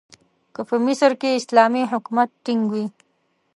که په مصر کې اسلامي حکومت ټینګ وي.